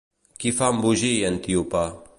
Qui fa embogir Antíope?